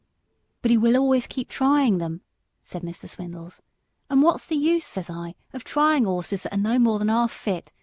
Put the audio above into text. "But he will always keep on trying them," said Mr. Swindles, "and what's the use, says I, of trying 'orses that are no more than 'alf fit?